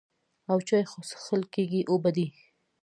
او چای خو څښل کېږي اوبه دي.